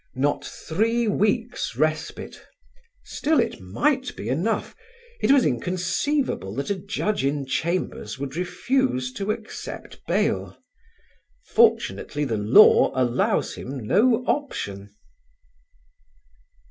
Not three weeks' respite, still it might be enough: it was inconceivable that a Judge in Chambers would refuse to accept bail: fortunately the law allows him no option.